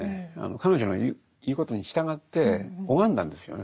彼女の言うことに従って拝んだんですよね